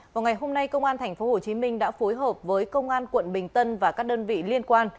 vào ngày hôm nay công an tp hcm đã phối hợp với công an quận bình tân và các đơn vị liên quan